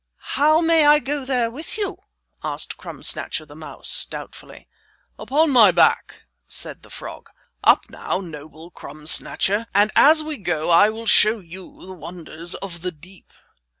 "How may I go there with you?" asked Crumb Snatcher the mouse, doubtfully. "Upon my back," said the frog. "Up now, noble Crumb Snatcher. And as we go I will show you the wonders of the deep."